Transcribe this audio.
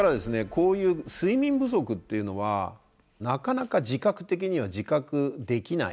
こういう睡眠不足っていうのはなかなか自覚的には自覚できない。